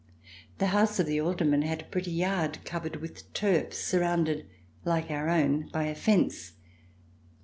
The house of the alderman had a pretty yard covered with turf, surrounded like our own by a fence.